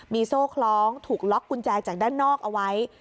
มีโซ่คล้องถูกล็อกกุญแจจากด้านนอกเอาไว้